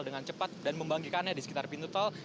dengan cepat dan membangkikannya di sekitar pintu tol